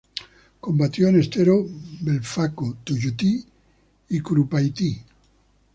Combatió en Estero Bellaco, Tuyutí, y Curupaytí.